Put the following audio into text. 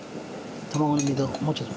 卵の水はもうちょっと。